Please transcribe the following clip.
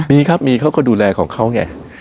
มีครับมีเขาก็ดูแลของเขาไง